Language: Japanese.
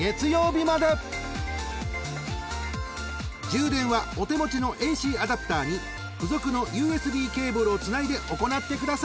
［充電はお手持ちのＡＣアダプターに付属のＵＳＢケーブルをつないで行ってください］